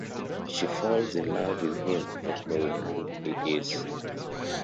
She falls in love with him not knowing who he is.